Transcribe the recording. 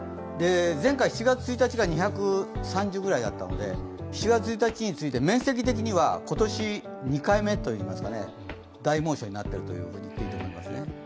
前回７月１日が２３０ぐらいだったので７月１日について、面積的には今年、２回目の大猛暑になっているといっていいと思いますね。